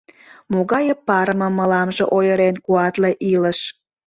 Могае парымым мыламже ойырен Куатле илыш.